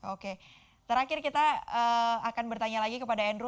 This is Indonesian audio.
oke terakhir kita akan bertanya lagi kepada andrew